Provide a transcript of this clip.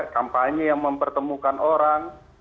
kampanye yang mempertemukan orang